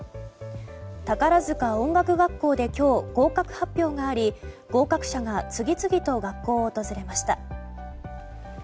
宝塚音楽学校で今日合格発表があり、合格者が次々と学校を訪れました。